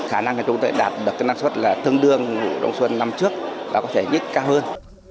khả năng chúng tôi đạt được năng suất thương đương vụ đông xuân năm trước có thể nhất cao hơn